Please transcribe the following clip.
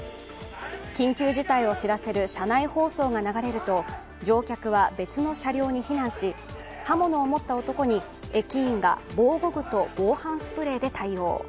緊急事態を知らせる車内放送が流れると乗客は別の車両に避難し刃物を持った男に駅員が防護具と防犯スプレーで対応。